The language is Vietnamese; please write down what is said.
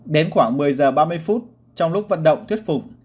đến khoảng một mươi giờ ba mươi phút trong lúc vận động thuyết phục